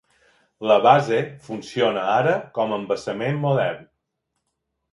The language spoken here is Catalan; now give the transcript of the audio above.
La base funciona ara com a embassament modern.